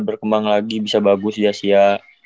berkembang lagi bisa bagus di asia